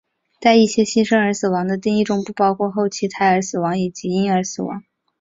在一些新生儿死亡的定义中不包括后期胎儿死亡以及婴儿死亡。